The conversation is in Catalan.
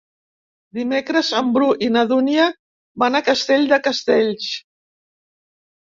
Dimecres en Bru i na Dúnia van a Castell de Castells.